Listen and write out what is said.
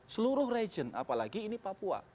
seluruh region apalagi ini papua